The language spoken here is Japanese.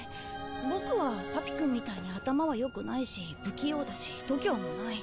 ボクはパピくんみたいに頭は良くないし不器用だし度胸もない。